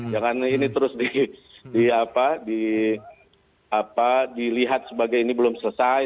jangan ini terus dilihat sebagai ini belum selesai